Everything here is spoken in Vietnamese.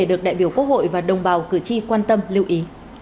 được đại biểu quốc hội và đồng bào cử tri quan tâm lưu ý